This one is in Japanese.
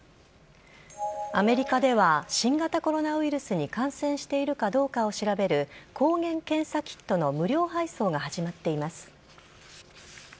アメリカでは、新型コロナウイルスに感染しているかどうかを調べる、抗原検査キットの無料配送が始まっています。